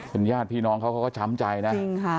เป็นญาติพี่น้องเขาก็ช้ำใจนะจริงค่ะ